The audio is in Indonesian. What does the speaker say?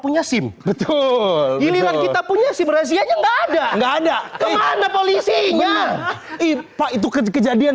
punya sim betul betul kita punya simerasi aja nggak ada nggak ada ke mana polisinya itu kejadian